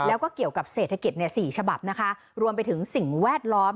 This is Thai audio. แล้วก็เกี่ยวกับเศรษฐกิจเนี่ยสี่ฉบับนะคะรวมไปถึงสิ่งแวดล้อม